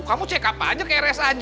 kamu cek apa aja ke rs aj